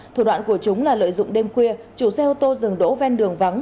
thủ đoạn của chúng là lợi dụng đêm khuya chủ xe ô tô dừng đỗ ven đường vắng